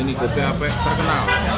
ini kopi apek terkenal